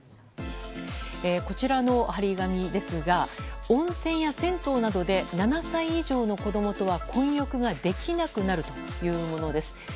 こちらの貼り紙ですが温泉や銭湯などで７歳以上の子供とは混浴ができなくなるというものです。